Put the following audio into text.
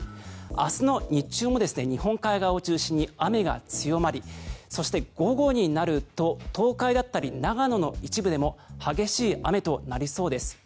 明日の日中も日本海側を中心に雨が強まりそして、午後になると東海だったり長野の一部でも激しい雨となりそうです。